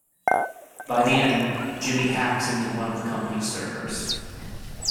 By the end, Jimi hacks into one of the company's servers.